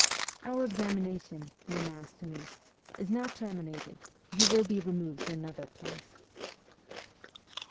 ' Our examination,' he announced to me, ' is now terminated; you will be removed to another place.'